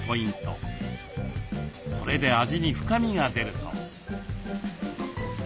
これで味に深みが出るそう。